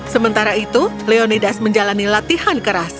sementara itu leonidas menjalani latihan yang lebih baik